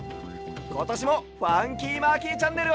ことしも「ファンキーマーキーチャンネル」を。